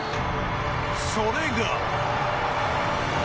それが。